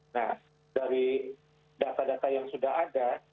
nah dari data data yang sudah ada